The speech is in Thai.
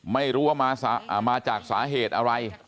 ไม่รู้ว่ามาจากสาเหตุอะไร